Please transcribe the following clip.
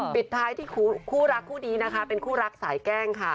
ปิดท้ายที่คู่รักคู่นี้นะคะเป็นคู่รักสายแกล้งค่ะ